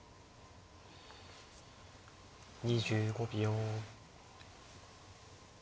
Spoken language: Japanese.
２５秒。